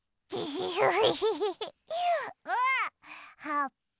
はっぱ。